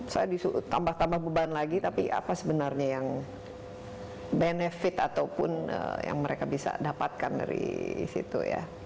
saya disuruh tambah tambah beban lagi tapi apa sebenarnya yang benefit ataupun yang mereka bisa dapatkan dari situ ya